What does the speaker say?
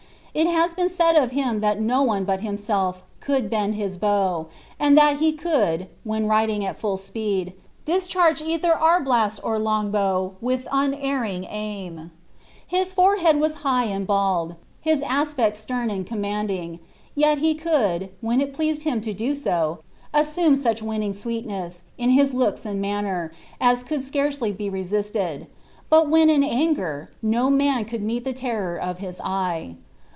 It has he^i said of him, that no one but himself could bend his bow, and that he conid, when riding al full speed, discharge eiiherarblast or long bow with nncrringaim,' Ilia forehead was high and bold, his aspect stem and commanding; yet he could, when it pleued him to do so, assume such winning swwt nes9, in his looks and manner, as could scarcely be resisted ; but when in anger, no man could meet the terror of hia eye.'